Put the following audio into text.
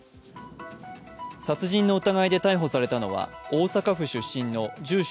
殺人の疑いで逮捕されたのは大阪府出身の住所